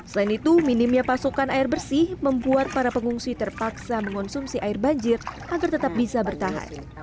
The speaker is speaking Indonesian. selain itu minimnya pasokan air bersih membuat para pengungsi terpaksa mengonsumsi air banjir agar tetap bisa bertahan